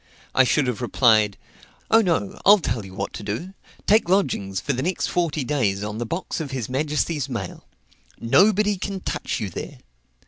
I should have replied, "Oh, no; I'll tell you what to do. Take lodgings for the next forty days on the box of his majesty's mail. Nobody can touch you there.